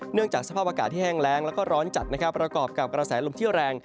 เนื่องจากสภาพอากาศที่แห้งแรงและร้อนจัดประกอบกับกระแสลมุมที่แรง